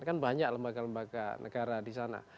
kan banyak lembaga lembaga negara di sana